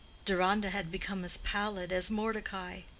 Deronda had become as pallid as Mordecai.